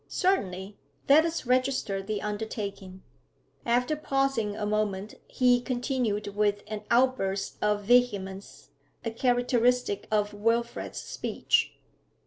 'Certainly; let us register the undertaking.' After pausing a moment, he continued with an outburst of vehemence a characteristic of Wilfrid's speech.